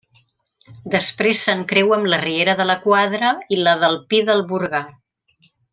Després s'encreua amb la Riera de la Quadra i la del Pi del Burgar.